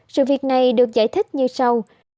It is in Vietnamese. sự việc này được giải thích như sau